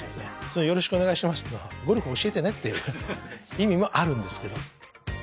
「よろしくお願いします」ってのは「ゴルフ教えてね」っていう意味もあるんですけど。